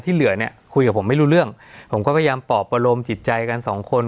เหลือเนี่ยคุยกับผมไม่รู้เรื่องผมก็พยายามปอบประโลมจิตใจกันสองคน